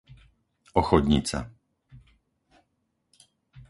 Ochodnica